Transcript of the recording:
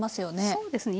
そうですね。